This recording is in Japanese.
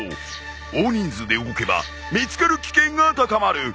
大人数で動けば見つかる危険が高まる。